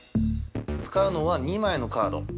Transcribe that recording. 使うのは２枚のカード。